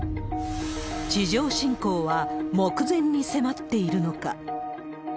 地上侵攻は目前に迫っているのか。